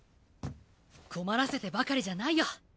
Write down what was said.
困らせてばかりじゃないよ。